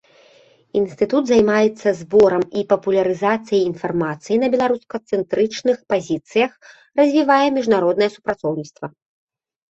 Інстытут займаецца зборам і папулярызацыяй інфармацыі на беларусацэнтрычных пазіцыях, развівае міжнароднае супрацоўніцтва.